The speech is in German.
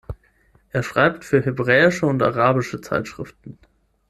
Er schreibt für hebräische und arabische Zeitschriften.